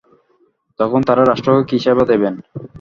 তখন তাঁরা রাষ্ট্রকে কি সেবা দেবেন?